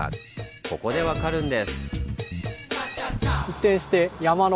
ここで分かるんです。